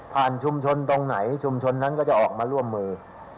ชุมชนตรงไหนชุมชนนั้นก็จะออกมาร่วมมือ